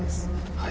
はい。